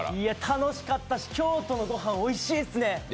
楽しかったし京都のごはんおいしいですね！